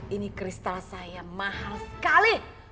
ini kristal saya mahal sekali